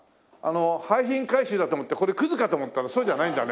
廃品回収だと思ってこれクズかと思ったらそうじゃないんだね。